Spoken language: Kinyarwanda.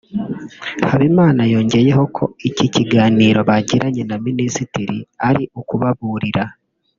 Habimana yongeyeho ko iki kiganiro bagiranye na Minisitiri ari ukubaburira